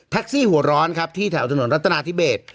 ซี่หัวร้อนครับที่แถวถนนรัฐนาธิเบส